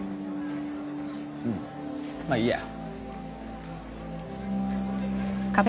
うんまあいいや。